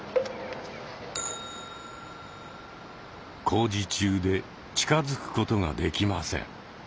工事中で近づくことができません。